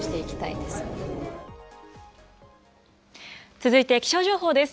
続いて気象情報です。